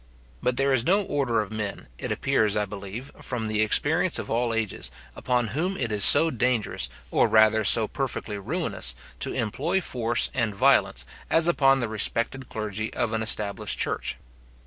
But there is no order of men, it appears I believe, from the experience of all ages, upon whom it is so dangerous or rather so perfectly ruinous, to employ force and violence, as upon the respected clergy of an established church.